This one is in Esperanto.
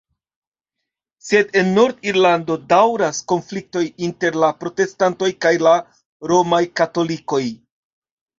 Sed en Nord-Irlando daŭras konfliktoj inter la protestantoj kaj la romaj katolikoj.